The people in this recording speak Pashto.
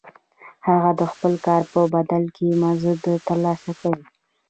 هغه د خپل کار په بدل کې مزد ترلاسه کوي